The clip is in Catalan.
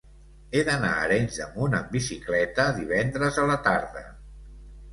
He d'anar a Arenys de Munt amb bicicleta divendres a la tarda.